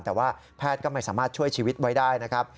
แต่ว่าแพทย์ก็ไม่สามารถช่วยชีวิตไว้ได้นะครับ